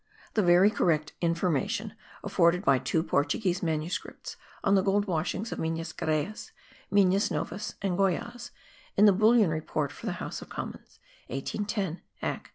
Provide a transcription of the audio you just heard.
The very correct information afforded by two Portuguese manuscripts on the gold washings of Minas Geraes, Minas Novas and Goyaz, in the Bullion Report for the House of Commons, 1810, acc.